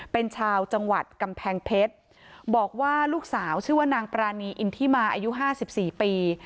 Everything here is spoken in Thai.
เป็นชาวจังหวัดกำแพงเพชรบอกว่าลูกสาวชื่อว่านางปรานีอินทิมาอายุ๕๔ปี